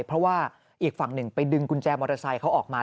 เพราะว่าอีกฝั่งหนึ่งไปดึงกุญแจมอเตอร์ไซค์เขาออกมา